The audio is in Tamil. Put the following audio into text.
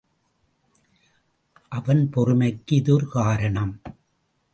அவன் பொறுமைக்கு இது ஒரு காரணம்.